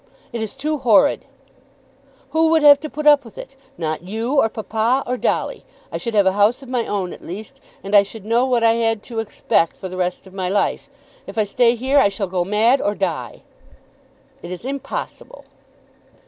"It is too horrid." "Who would have to put up with it? Not you, or papa, or Dolly. I should have a house of my own at least, and I should know what I had to expect for the rest of my life. If I stay here I shall go mad, or die." "It is impossible."